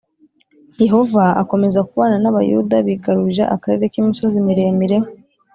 Yehova akomeza kubana n’Abayuda bigarurira akarere k’imisozi miremire,